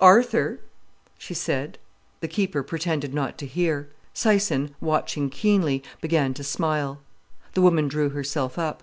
"Arthur!" she said. The keeper pretended not to hear. Syson, watching keenly, began to smile. The woman drew herself up.